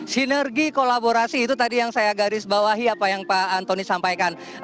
sinergi kolaborasi itu tadi yang saya garis bawahi apa yang pak antoni sampaikan